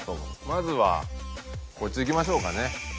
まずはこっちいきましょうかね。